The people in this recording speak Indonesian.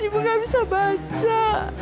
ibu gak bisa baca